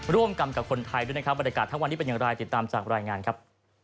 ร่วมกันกับคนไทยด้วยนะครับบรรยากาศทั้งวันนี้เป็นอย่างไรติดตามจากรายงานครับ